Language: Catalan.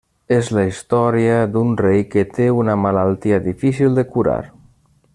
És la història d'un rei que té una malaltia difícil de curar.